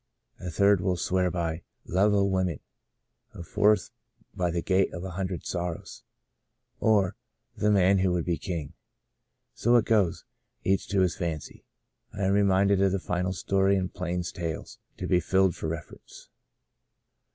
A third will swear by " Love O' Women," a fourth by " The Gate of a Hundred Sorrows," or, " The Man Who Would Be King." So it goes — each to his fancy. I am reminded of the final story in " Plain Tales— To Be Filed for Reference."